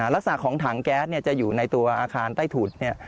ลักษณะของถังแก๊สจะอยู่ในตัวอาคารใต้ถุดเนี่ย